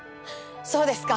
そうですか。